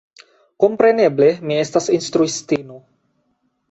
Kompreneble mi estas instruistino.